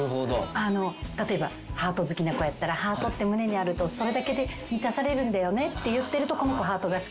例えばハート好きな子やったらハートって胸にあるとそれだけで満たされるんだよねって言ってると。